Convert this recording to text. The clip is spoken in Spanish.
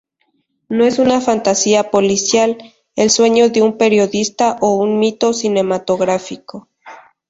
No es una fantasía policial, el sueño de un periodista o un mito cinematográfico.